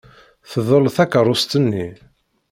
Tdel takeṛṛust-nni.